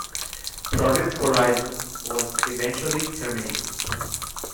Project Horizon was eventually terminated.